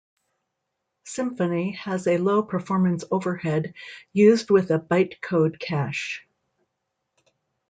Symfony has a low performance overhead used with a bytecode cache.